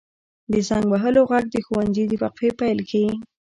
• د زنګ وهلو ږغ د ښوونځي د وقفې پیل ښيي.